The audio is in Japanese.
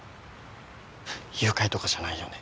誘拐とかじゃないよね？